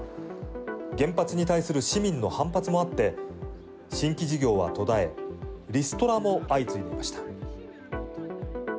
原発に対する市民の反発もあって新規事業は途絶えリストラも相次いでいました。